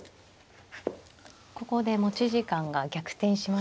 ここで持ち時間が逆転しましたね。